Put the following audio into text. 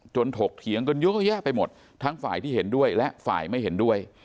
ถกเถียงกันเยอะแยะไปหมดทั้งฝ่ายที่เห็นด้วยและฝ่ายไม่เห็นด้วย